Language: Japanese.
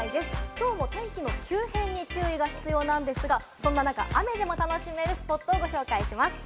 今日も天気の急変に注意が必要なんですが、そんな中、雨でも楽しめるスポットをご紹介します。